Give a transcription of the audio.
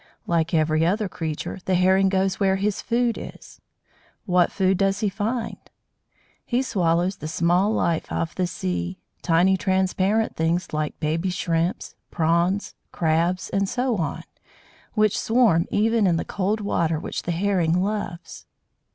Like every other creature, the Herring goes where his food is. What food does he find? He swallows the small life of the sea, tiny transparent things like baby shrimps, prawns, crabs, and so on, which swarm even in the cold water which the Herring loves.